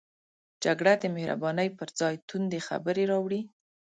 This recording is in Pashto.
جګړه د مهربانۍ پر ځای توندې خبرې راوړي